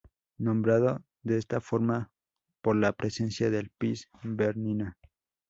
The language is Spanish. Nombrado de esta forma por la presencia del Piz Bernina.